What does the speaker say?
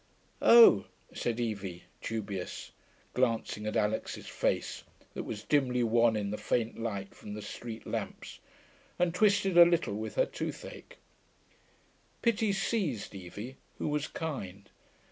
'Oh,' said Evie, dubious, glancing at Alix's face, that was dimly wan in the faint light from the street lamps, and twisted a little with her toothache. Pity seized Evie, who was kind.